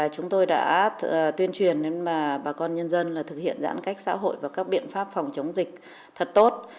chúng tôi đã tuyên truyền đến bà con nhân dân là thực hiện giãn cách xã hội và các biện pháp phòng chống dịch thật tốt